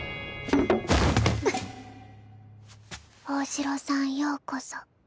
大城さんようこそ。